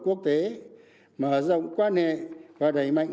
quốc tế mở rộng quan hệ và đẩy mạnh